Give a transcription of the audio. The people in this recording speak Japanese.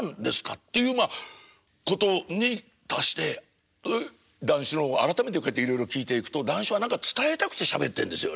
っていうまあことに達して談志のを改めていろいろ聴いていくと談志は何か伝えたくてしゃべってんですよね。